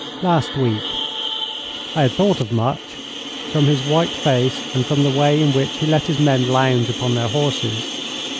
'Last week.' I had thought as much, from his white face and from the way in which he let his men lounge upon their horses.